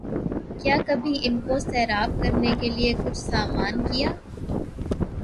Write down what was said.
کیا کبھی ان کو سیراب کرنے کیلئے کچھ سامان کیا